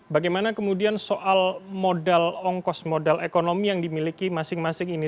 bagaimana kemudian soal modal ongkos modal ekonomi yang dimiliki masing masing ini